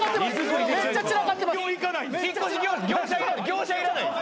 業者いらない。